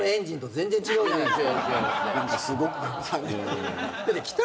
全然そうじゃないです。